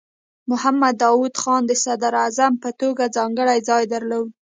محمد داؤد خان د صدراعظم په توګه ځانګړی ځای درلود.